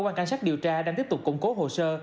quan cảnh sát điều tra đang tiếp tục củng cố hồ sơ